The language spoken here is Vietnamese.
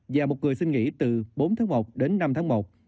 và một người xin nghỉ từ bốn tháng một đến một mươi tám tháng một